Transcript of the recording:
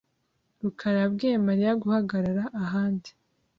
rukara yabwiye Mariya guhagarara ahandi .